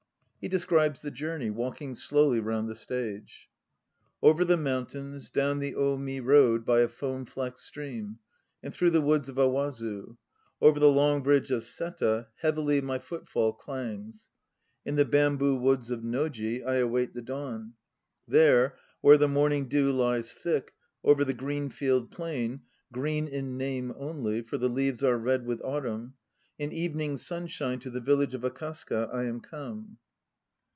(He describes the journey, walking slowly round the stage.) Over the mountains, down the Omi road by a foam flecked stream; And through the woods of Awazu. Over the long bridge of Seta Heavily my footfall clangs. In the bamboo woods of Noji I await the dawn. There where the morning dew lies thick, over the Greenfield Plain, Green in name only for the leaves are red with autumn In evening sunshine to the village of Akasaka I am come!